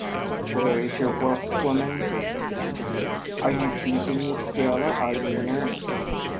"Where is your work, woman?" he thundered. "Are you teasing me still or are you in earnest?